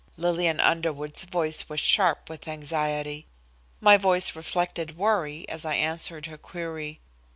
Lillian Underwood's voice was sharp with anxiety. My voice reflected worry, as I answered her query.